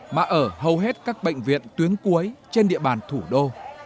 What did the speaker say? mà ở hầu hết các bệnh viện tuyến cuối trên địa bàn thủ đô